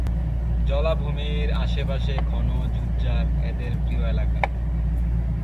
জলাভূমির আশেপাশে ঘন ঝোপঝাড় এদের প্রিয় এলাকা।